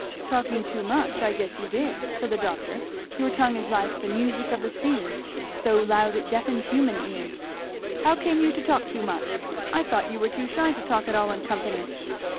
"Talking too much! I guess you did," said the doctor; "your tongue is like 'the music of the spheres, So loud it deafens human ears.' How came you to talk too much? I thought you were too shy to talk at all in company."